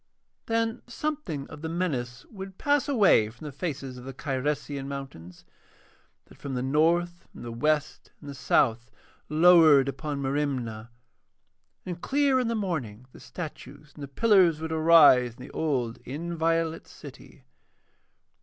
Then something of the menace would pass away from the faces of the Cyresian mountains, that from the north and the west and the south lowered upon Merimna, and clear in the morning the statues and the pillars would arise in the old inviolate city.